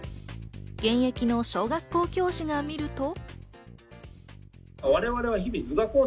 現役の小学校教師が見ると。